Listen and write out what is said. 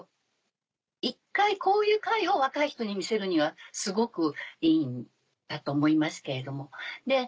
一回こういう回を若い人に見せるにはすごくいいんだと思いますけれども。